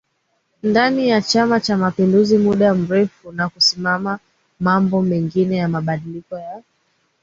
ndani ya Chama cha mapinduzi muda mrefu na kusimamia mambo mengi ya mabadiliko ya